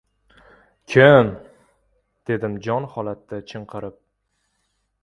— Kim? — dedim jon holatda chinqirib.